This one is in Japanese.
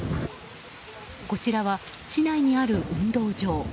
こちらは市内にある運動場。